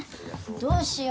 どうしよう